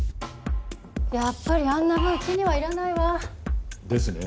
やっぱりあんな部うちにはいらないわ。ですね。